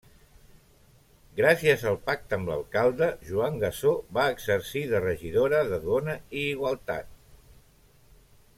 Gràcies al pacte amb l'alcalde Joan Gassó va exercir de regidora de Dona i igualtat.